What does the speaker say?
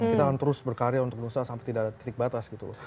kita akan terus berkarya untuk nusa sampai tidak ada titik batas gitu